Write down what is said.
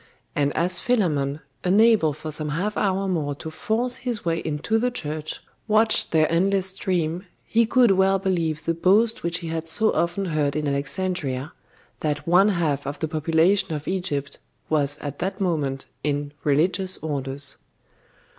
And as Philammon, unable for some half hour more to force his way into the church, watched their endless stream, he could well believe the boast which he had so often heard in Alexandria, that one half of the population of Egypt was at that moment in 'religious orders.